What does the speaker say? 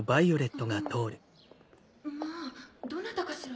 ・まぁどなたかしら？